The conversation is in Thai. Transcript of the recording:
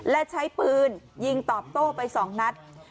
และใช้ปืนยิงตอบโต้ไป๒นัด